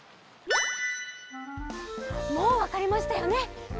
もうわかりましたよね？